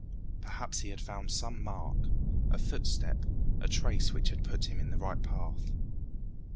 Perhaps he had found some mark, a footstep, a trace which had put him in the right path.